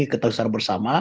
kita bisa bersama